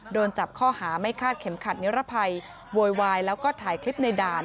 โดนจับข้อหาไม่คาดเข็มขัดนิรภัยโวยวายแล้วก็ถ่ายคลิปในด่าน